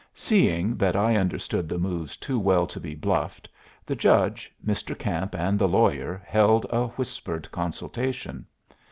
Seeing that I understood the moves too well to be bluffed, the judge, Mr. Camp, and the lawyer held a whispered consultation.